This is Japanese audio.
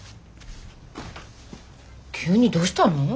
急にどうしたの？